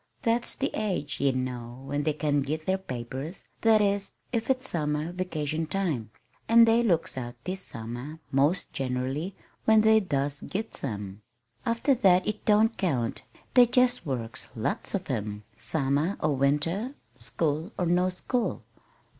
"That's the age, ye know, when they can git their papers that is, if it's summer vacation time: an' they looks out that 'tis summer, most generally, when they does gits 'em. After that it don't count; they jest works, lots of 'em, summer or winter, school or no school."